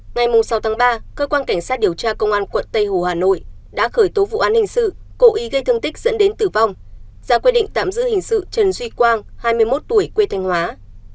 ngày sáu tháng ba cơ quan cảnh sát điều tra công an quận tây hồ hà nội đã khởi tố vụ án hình sự cố ý gây thương tích dẫn đến tử vong ra quyết định tạm giữ hình sự trần duy quang hai mươi một tuổi quê thanh hóa